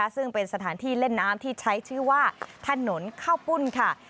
ซึ่งเป็นสถานที่เล่นน้ำที่ใช้ชื่อว่าถนนข้าวปุ้นค่ะ